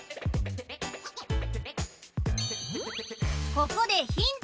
ここでヒント！